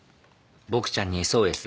ボクちゃんにＳＯＳだ。